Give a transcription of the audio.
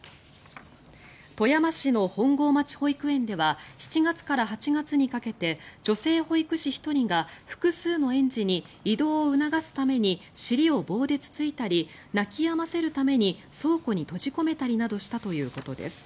富山市の本郷町保育園では７月から８月にかけて女性保育士１人が複数の園児に移動を促すために尻を棒でつついたり泣き止ませるために倉庫に閉じ込めたりなどしたということです。